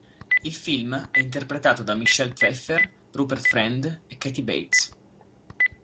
Il film è interpretato da Michelle Pfeiffer, Rupert Friend e Kathy Bates.